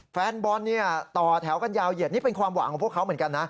แฟนบอลเนี่ยต่อแถวกันยาวเหยียดนี่เป็นความหวังของพวกเขาเหมือนกันนะ